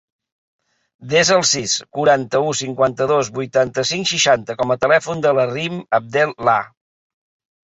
Desa el sis, quaranta-u, cinquanta-dos, vuitanta-cinc, seixanta com a telèfon de la Rim Abdel Lah.